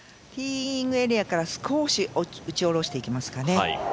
ティーイングエリアから少し打ち下ろしていきますかね。